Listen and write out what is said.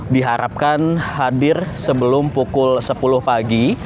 diharapkan hadir sebelum pukul sepuluh pagi